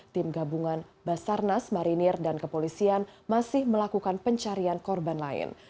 tim gabungan basarnas marinir dan kepolisian masih melakukan pencarian korban lain